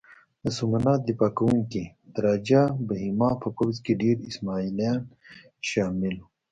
د سومنات دفاع کوونکي د راجه بهیما په پوځ کې ډېر اسماعیلیان شامل وو.